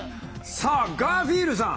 さあガーフィールさん。